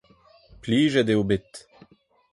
Plijet eo bet.